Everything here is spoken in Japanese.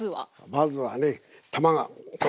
まずはね卵。